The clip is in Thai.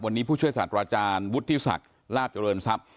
วันนี้ผู้ช่วยศาสตราจารย์วุฒิศักดิ์ลาบเจริญทรัพย์